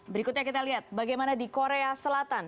berikutnya kita lihat bagaimana di korea selatan